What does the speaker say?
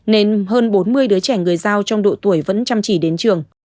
nên hơn bốn mươi đứa trẻ người giao trong độ tuổi vẫn chăm chỉ đến trường